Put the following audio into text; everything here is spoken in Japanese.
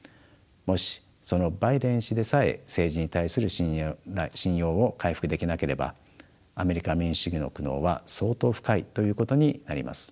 もしそのバイデン氏でさえ政治に対する信用を回復できなければアメリカ民主主義の苦悩は相当深いということになります。